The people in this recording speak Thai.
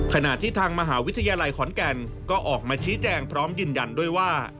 ขณะที่ทางมหาวิทยาลัยขอนแก่นก็ออกมาชี้แจงพร้อมยืนยันด้วยว่า